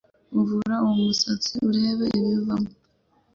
vuvura uwo musatsi urebe ibivamo